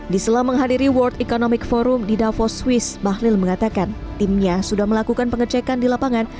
di sela menghadiri world economic forum di davos swiss bahlil mengatakan timnya sudah melakukan pengecekan di lapangan